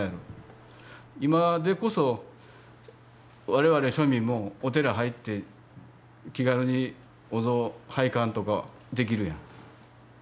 今でこそ我々庶民もお寺入って気軽にお像拝観とかできるやん。